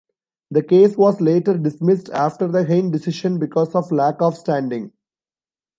The case was later dismissed after the Hein decision because of lack of standing.